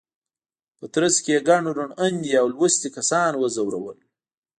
په ترڅ کې یې ګڼ روڼ اندي او لوستي کسان وځورول.